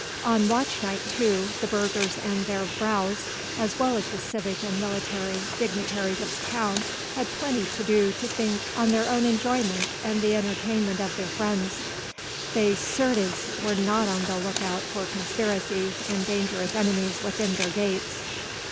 On watch night too, the burghers and their vrouws as well as the civic and military dignitaries of the town had plenty to do to think on their own enjoyment and the entertainment of their friends: they certes were not on the look out for conspiracies and dangerous enemies within their gates.